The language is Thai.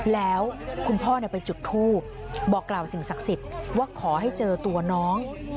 แล้วคุณพ่อไปจุดทูบบอกกล่าวสิ่งศักดิ์สิทธิ์ว่าขอให้เจอตัวน้อง